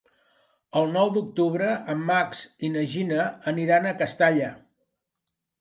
El nou d'octubre en Max i na Gina aniran a Castalla.